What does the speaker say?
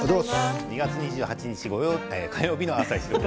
２月２８日火曜日の「あさイチ」です。